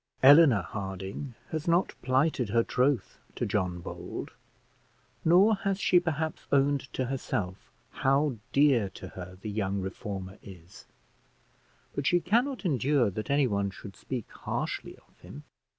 Eleanor Harding has not plighted her troth to John Bold, nor has she, perhaps, owned to herself how dear to her the young reformer is; but she cannot endure that anyone should speak harshly of him.